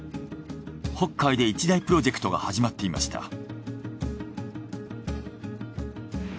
北海で一大プロジェクトが始まっていました。